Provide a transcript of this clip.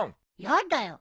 やだよ。